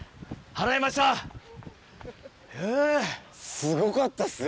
すごかったっすよ。